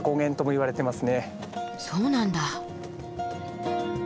そうなんだ。